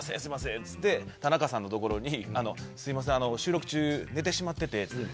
っつって田中さんの所に「すいません収録中寝てしまってて」。